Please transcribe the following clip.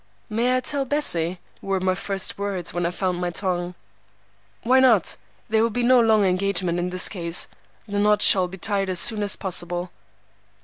"May I tell Bessie?" were my first words when I found my tongue. "Why not? There will be no long engagement in this case. The knot shall be tied as soon as possible."